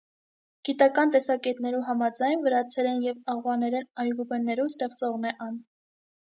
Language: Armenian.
Գիտական տեսակէտներու համաձայն՝ վրացերէն եւ աղուաներէն այբուբեններու ստեղծողն է ան։